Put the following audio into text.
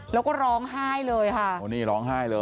แล้วก็ร้องไห้เลยค่ะ